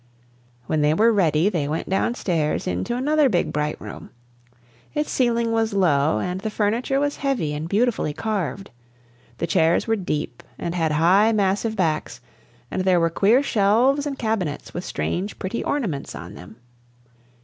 When they were ready, they went downstairs into another big bright room; its ceiling was low, and the furniture was heavy and beautifully carved, the chairs were deep and had high massive backs, and there were queer shelves and cabinets with strange, pretty ornaments on them.